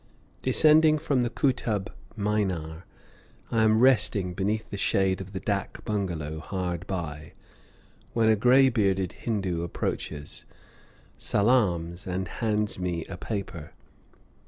Descending from the Kootub Minar, I am resting beneath the shade of the dak bungalow hard by, when a gray bearded Hindoo approaches, salaams, and hands me a paper.